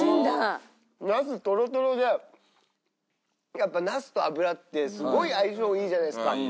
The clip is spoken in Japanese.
やっぱナスと油ってすごい相性いいじゃないですか。